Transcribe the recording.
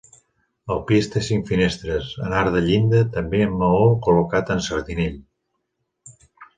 El pis té cinc finestres, en arc de llinda, també amb maó col·locat en sardinell.